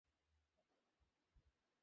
তুমি ও Mrs Bull আমার চিরন্তন ভালবাসা জানবে।